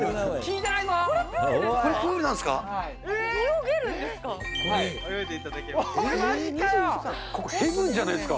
これ、プールですか。